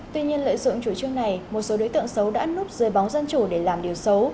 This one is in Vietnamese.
tuy nhiên lợi dụng chủ trương này một số đối tượng xấu đã núp dưới bóng dân chủ để làm điều xấu